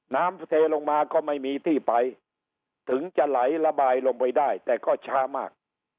น้ำเทลงมาก็ไม่มีที่ไปถึงจะไหลระบายลงไปได้แต่ก็ช้ามาก